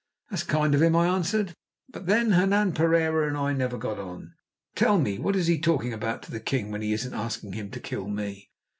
"That's kind of him," I answered, "but, then, Hernan Pereira and I never got on. Tell me what is he talking about to the king when he isn't asking him to kill me."